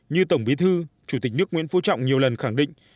như tổng bí thư chủ tịch nước nguyễn phú trọng nhiều lần khẳng định